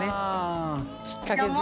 きっかけ作りね。